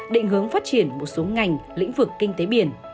định hướng phát triển một số ngành lĩnh vực kinh tế biển